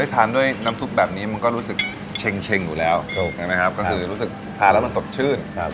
ก็คือรู้สึกผัดแล้วมันสะชื่น